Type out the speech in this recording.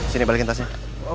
sini balikin tasnya